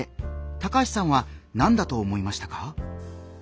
高橋さんは何だと思いましたか？